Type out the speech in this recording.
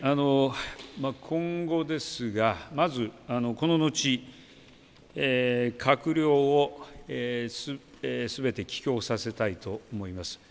今後ですが、まずこの後、閣僚をすべて帰京させたいと思います。